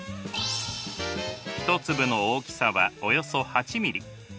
１粒の大きさはおよそ８ミリ。